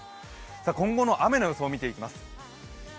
今後の雨の予想を見ていきます。